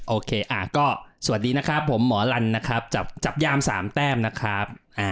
โอเคก็สวัสดีนะครับผมหมอลันนะครับจับยาม๓แต้มนะครับ